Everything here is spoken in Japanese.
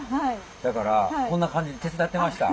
だからこんな感じで手伝ってました。